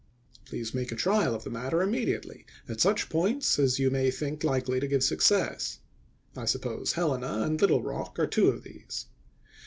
Please make a trial of the matter immediately at such points as you may think hkely to give success. I suppose Helena and Little Rock are two of these.